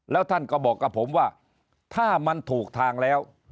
แล้วท่านก็บอกกับผมว่าถ้ามันถูกทางแล้ว